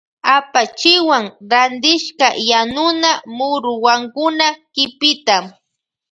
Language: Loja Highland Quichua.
Apachiwan rantishka yanuna muruwankuna kipita.